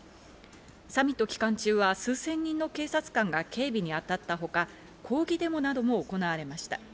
サミット期間中は数千人の警察官が警備に当たったほか、抗議デモなども行われました。